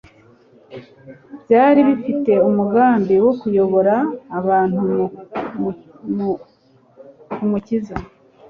Byari bifite umugambi wo kuyobora abantu ku Mukiza,